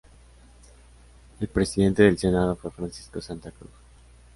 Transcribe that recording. El presidente del Senado fue Francisco Santa Cruz.